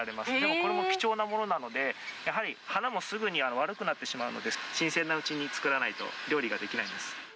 これも貴重なものなので、やはり花もすぐに悪くなってしまうので、新鮮なうちに作らないと、料理ができないです。